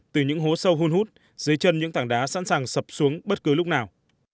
từ những hố sâu hôn hút dưới chân những tảng đá sẵn sàng sập xuống bất cứ lúc nào